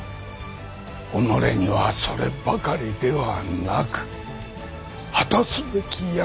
己にはそればかりではなく果たすべき役目がある。